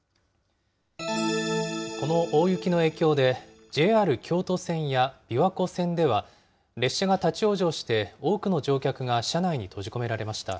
この大雪の影響で、ＪＲ京都線や琵琶湖線では、列車が立往生して多くの乗客が車内に閉じ込められました。